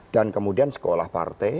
dan kemudian sekolah partai